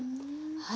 はい。